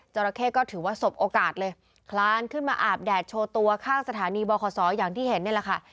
ราเข้ก็ถือว่าสบโอกาสเลยคลานขึ้นมาอาบแดดโชว์ตัวข้างสถานีบขอย่างที่เห็นนี่แหละค่ะ